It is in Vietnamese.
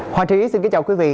hòa trí xin kính chào quý vị